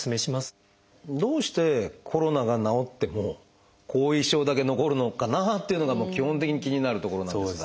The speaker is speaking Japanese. どうしてコロナが治っても後遺症だけ残るのかなっていうのが基本的に気になるところなんですが。